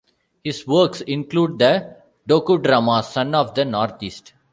His works include the docudrama "Son of the Northeast".